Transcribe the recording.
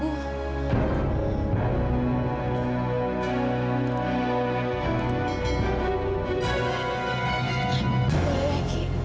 boleh ya ki